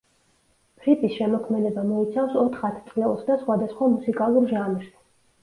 ფრიპის შემოქმედება მოიცავს ოთხ ათწლეულს და სხვადასხვა მუსიკალურ ჟანრს.